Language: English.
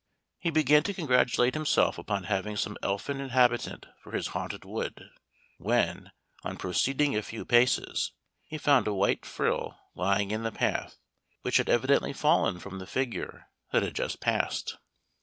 He began to congratulate himself upon having some elfin inhabitant for his haunted wood, when, on proceeding a few paces, he found a white frill lying in the path, which had evidently fallen from the figure that had just passed.